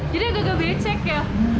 jadi agak agak becek ya